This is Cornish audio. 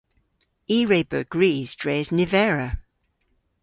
I re beu gwrys dres nivera.